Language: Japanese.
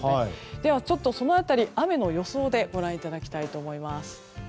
では、その辺り雨の予想でご覧いただきたいと思います。